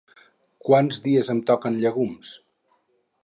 Quants dies em toquen llegums?